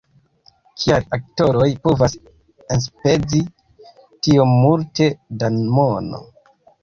Kial aktoroj povas enspezi tiom multe da mono!